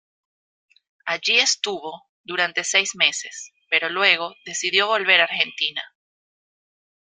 Allí estuvo durante seis meses, pero luego decidió volver a Argentina.